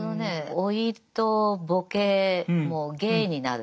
老いとボケも芸になる。